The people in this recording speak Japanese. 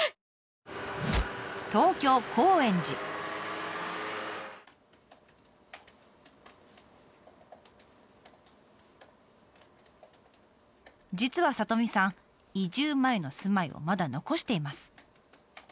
東京実は里美さん移住前の住まいをまだ残しています。